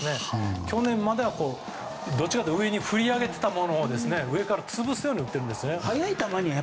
去年までは、どちらかというと上に振り上げてたものを上から潰すように打っています。